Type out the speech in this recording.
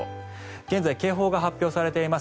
現在、警報が発表されています